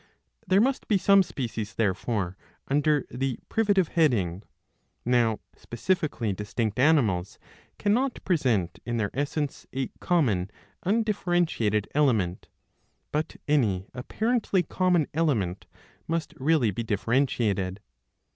There must be some species, therefore, under the privative heading. Now specifically distinct animals cannot present in their essence a common undifferentiated element, but any apparently common element must really be differentiated.